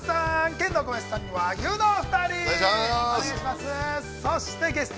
ケンドーコバヤシさん、和牛のお二人。